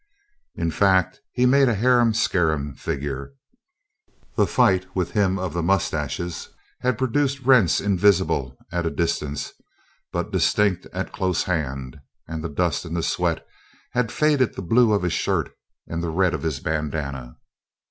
In fact he made a harum scarum figure. The fight with him of the moustaches had produced rents invisible at a distance but distinct at close hand and the dust and the sweat had faded the blue of his shirt and the red of his bandana.